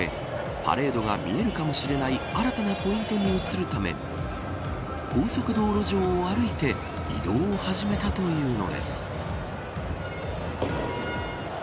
パレードが見えるかもしれない新たなポイントに移るため高速道路上を歩いて移動を始めたというのです。